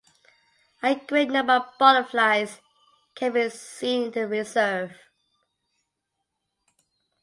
A great number of butterflies can be seen in the reserve.